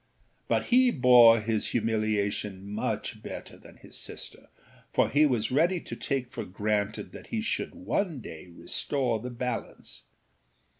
But he bore his humiliation much better than his sister, for he was ready to take for granted that he should one day restore the balance.